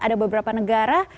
ada beberapa negara